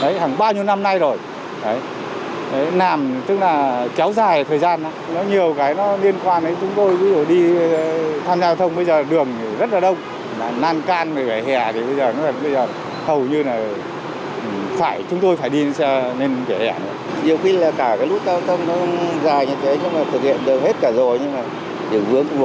thế nhưng mà thực hiện được hết cả rồi nhưng mà đường vướng một hai ba điểm cũng để không xử lý được